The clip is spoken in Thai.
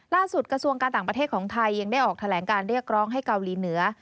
กระทรวงการต่างประเทศของไทยยังได้ออกแถลงการเรียกร้องให้เกาหลีเหนือ